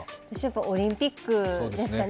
オリンピックですかね。